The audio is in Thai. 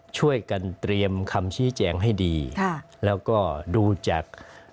ช่วยกันเตรียมคำชี้แจงให้ดีค่ะแล้วก็ดูจาก